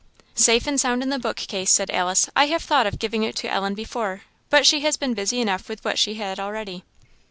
"Safe and sound in the book case," said Alice. "I have thought of giving it to Ellen before, but she has been busy enough with what she had already."